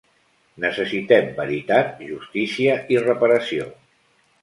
Necessitem veritat, justícia i reparació.